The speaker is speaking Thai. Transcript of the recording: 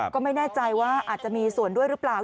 ก็ไม่แน่ใจว่าอาจจะมีส่วนด้วยหรือเปล่า